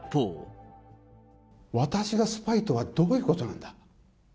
私がスパイとはどういうことなんだ？